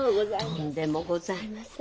とんでもございません。